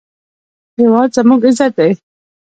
هېواد زموږ عزت دی